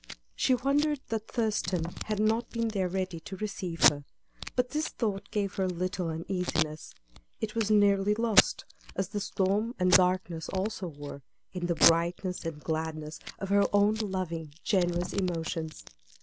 She wondered that Thurston had not been there ready to receive her; but this thought gave her little uneasiness; it was nearly lost, as the storm and darkness also were, in the brightness and gladness of her own loving, generous emotions.